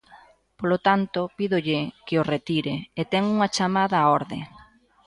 Polo tanto, pídolle que o retire, e ten unha chamada á orde.